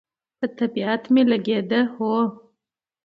مې په طبیعت لګېده، هو.